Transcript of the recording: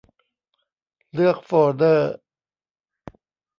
เลือกโฟลเดอร์